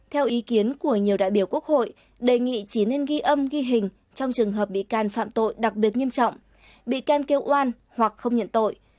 hội đề nghị chỉ nên ghi âm ghi hình trong trường hợp bị can phạm tội đặc biệt nghiêm trọng bị can kêu oan hoặc không nhận tội